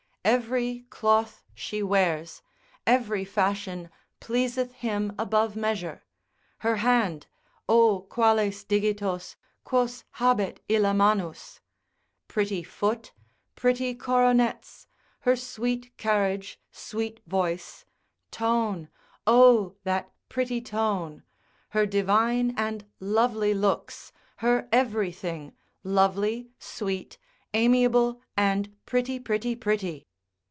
Every cloth she wears, every fashion pleaseth him above measure; her hand, O quales digitos, quos habet illa manus! pretty foot, pretty coronets, her sweet carriage, sweet voice, tone, O that pretty tone, her divine and lovely looks, her every thing, lovely, sweet, amiable, and pretty, pretty, pretty.